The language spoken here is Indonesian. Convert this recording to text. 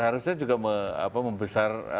harusnya juga membesar